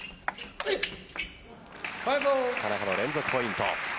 田中の連続ポイント。